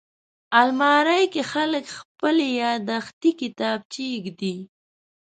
الماري کې خلک خپلې یاداښتې کتابچې ایږدي